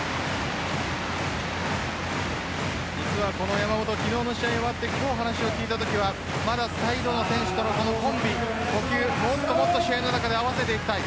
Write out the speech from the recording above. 山本、昨日の試合が終わって今日話を聞いたときはまだサイドの選手とのコンビ呼吸、もっともっと試合の中で合わせていきたい。